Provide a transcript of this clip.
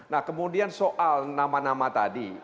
nah kemudian soal nama nama tadi